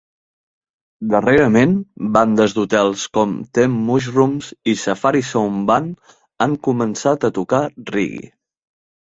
Darrerament, bandes d'hotels com Them Mushrooms i Safari Sound Band han començat a tocar reggae.